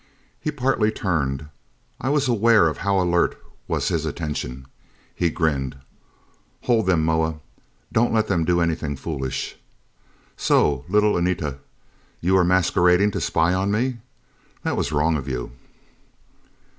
He partly turned. I was aware of how alert was his attention. He grinned. "Hold them, Moa. Don't let them do anything foolish.... So, little Anita, you were masquerading to spy on me? That was wrong of you."